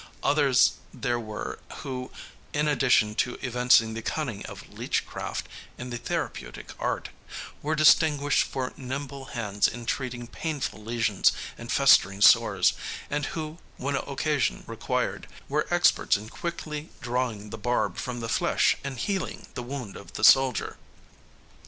Others there were who, in addition to evincing the cunning of leechcraft in the therapeutic art, were distinguished for nimble hands in treating painful lesions and festering sores, and who, when occasion required, were experts in "quickly drawing the barb from the flesh and healing the wound of the soldier."